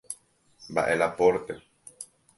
Mba’e la pórte.